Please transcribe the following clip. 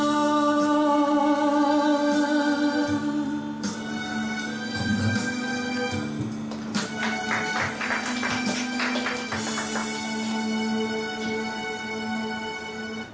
อำนาจ